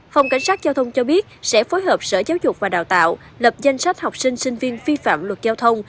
phòng cảnh sát giao thông cho biết sẽ phối hợp sở giáo dục và đào tạo lập danh sách học sinh sinh viên vi phạm luật giao thông